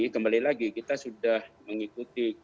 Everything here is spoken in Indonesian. kembali lagi kita sudah mengikuti